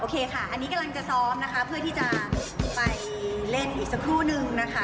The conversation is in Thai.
ค่ะอันนี้กำลังจะซ้อมนะคะเพื่อที่จะไปเล่นอีกสักครู่นึงนะคะ